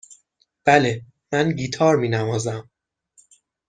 بله، من گیتار می نوازم.